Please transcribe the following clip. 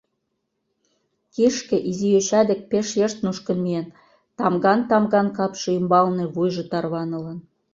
Кишке изи йоча деке пеш йышт нушкын миен, тамган-тамган капше ӱмбалне вуйжо тарванылын.